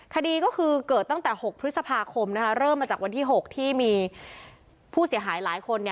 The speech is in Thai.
คดีก็คือเกิดตั้งแต่๖พฤษภาคมเริ่มมาจากวันที่๖ที่มีผู้เสียหายหลายคน